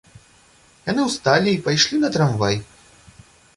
Яны ўсталі і пайшлі на трамвай.